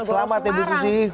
selamat ya bu susi